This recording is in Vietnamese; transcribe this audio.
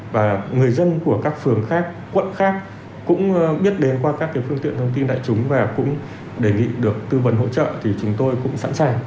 và người dân của các phường khác quận khác cũng biết đến qua các phương tiện thông tin đại chúng và cũng đề nghị được tư vấn hỗ trợ thì chúng tôi cũng sẵn sàng